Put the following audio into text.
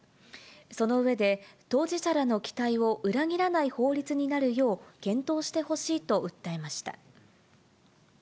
その上で、当事者らの期待を裏切らない法律になるよう検討してほしいと訴えました。